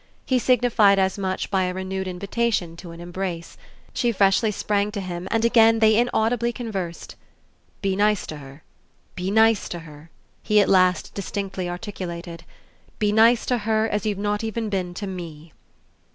He signified as much by a renewed invitation to an embrace. She freshly sprang to him and again they inaudibly conversed. "Be nice to her, be nice to her," he at last distinctly articulated; "be nice to her as you've not even been to ME!"